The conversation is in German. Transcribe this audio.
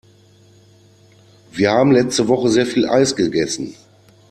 Wir haben letzte Woche sehr viel Eis gegessen.